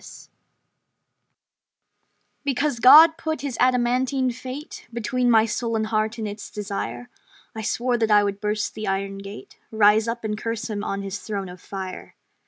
Failure Because God put His adamantine fate Between my sullen heart and its desire, I swore that I would burst the Iron Gate, Rise up, and curse Him on His throne of fire.